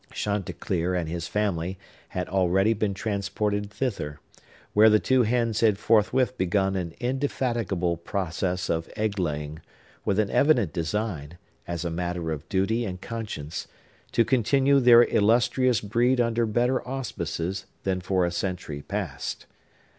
Chanticleer and his family had already been transported thither, where the two hens had forthwith begun an indefatigable process of egg laying, with an evident design, as a matter of duty and conscience, to continue their illustrious breed under better auspices than for a century past.